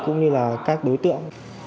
cũng như là các đối tiện